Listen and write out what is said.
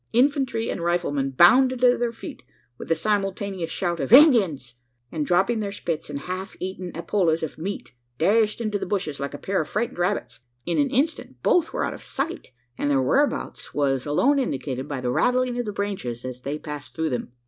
Infantry and rifleman bounded to their feet, with a simultaneous shout of "Indians!" and dropping their spits and half eaten appolas of meat, dashed into the bushes like a pair of frightened rabbits! In an instant, both were out of sight; and their whereabouts was alone indicated by the rattling of the branches as they passed through them.